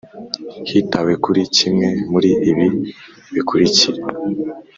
Hitawe kuri kimwe muri ibi bikurikira